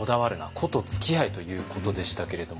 “個”とつきあえ」ということでしたけども。